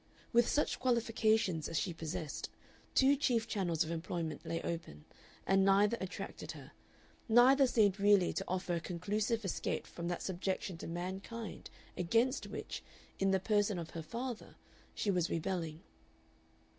With such qualifications as she possessed, two chief channels of employment lay open, and neither attracted her, neither seemed really to offer a conclusive escape from that subjection to mankind against which, in the person of her father, she was rebelling.